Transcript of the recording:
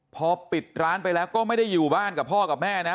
พอปิดร้านไปแล้วก็ไม่ได้อยู่บ้านกับพ่อกับแม่นะ